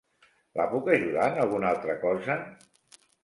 La puc ajudar en alguna altra cosa?